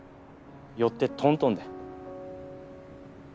よってトントンだ。